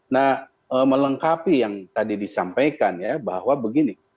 nah melengkapi yang tadi disampaikan ya bahwa begini